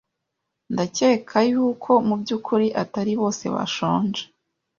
Ndakeka yuko mubyukuri atari bose bashonje.